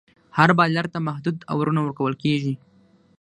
هر بالر ته محدود اوورونه ورکول کیږي.